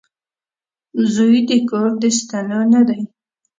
• زوی د کور د ستنو نه دی.